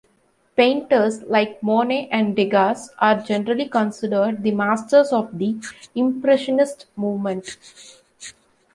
Painters like Monet and Degas are generally considered the masters of the impressionist movement.